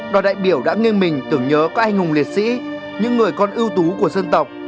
đoàn đại biểu đã nghiêng mình tưởng nhớ các anh hùng liệt sĩ những người con ưu tú của dân tộc